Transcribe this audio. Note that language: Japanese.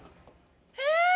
えっ！